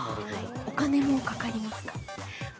◆お金もかかりますか。